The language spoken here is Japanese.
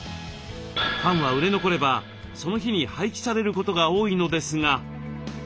パンは売れ残ればその日に廃棄されることが多いのですが。